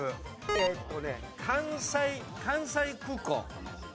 えっとね関西関西空港。